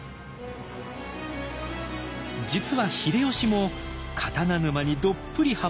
実は秀吉も刀沼にどっぷりはまった一人。